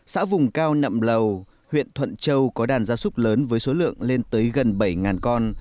xã vùng cao nậm lầu huyện thuận châu có đàn gia súc lớn với số lượng lên tới gần bảy con